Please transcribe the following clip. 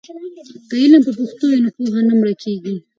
که علم په پښتو وي نو پوهه نه مړکېږي.